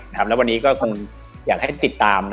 แล้ววันนี้ก็คงอยากให้ติดตาม